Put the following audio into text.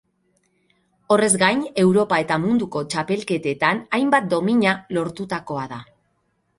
Horrez gain, Europa eta Munduko txapelketetan hainbat domina lortutakoa da.